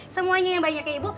semuanya yang banyak ya ibu